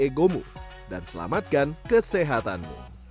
egomu dan selamatkan kesehatanmu